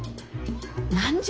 何じゃ？